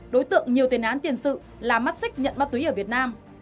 đối tượng nhiều tiền án tiền sự là mắt xích nhận ma túy ở việt nam